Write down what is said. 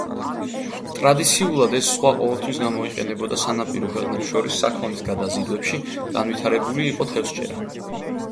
ტრადიციულად, ეს ზღვა ყოველთვის გამოიყენებოდა სანაპირო ქვეყნებს შორის საქონლის გადაზიდვებში, განვითარებული იყო თევზჭერა.